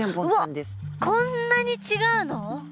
うわっこんなに違うの？